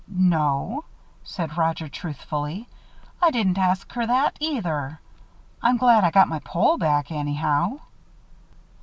"No," said Roger, truthfully. "I didn't ask her that, either. I'm glad I got my pole back, anyhow."